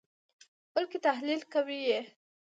بلکې تحلیل کوئ یې.